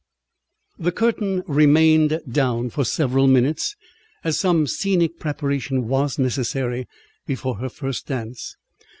The curtain remained down for several minutes, as some scenic preparation was necessary before her first dance.